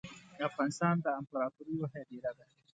افغانستان ده امپراتوریو هدیره ده